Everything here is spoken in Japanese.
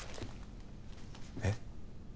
えっ？